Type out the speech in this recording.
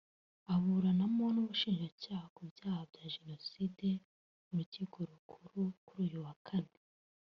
aburanamo n’ubushinjacyaha ku byaha bya jenoside mu Rukiko Rukuru kuri uyu wa Kane